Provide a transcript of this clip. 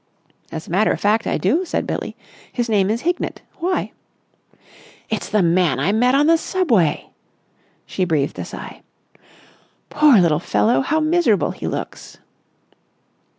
"As a matter of fact, I do," said Billie. "His name is Hignett. Why?" "It's the man I met on the Subway!" She breathed a sigh. "Poor little fellow, how miserable he looks!"